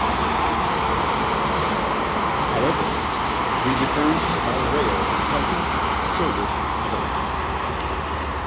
However, these occurrences are rare in healthy, sober adults.